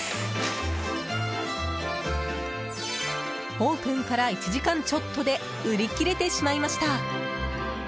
オープンから１時間ちょっとで売り切れてしまいました！